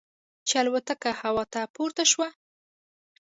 چې الوتکه هوا ته پورته شوه.